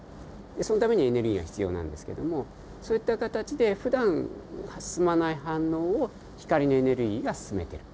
そのためにエネルギーが必要なんですけどもそういった形でふだん進まない反応を光のエネルギーが進めてる。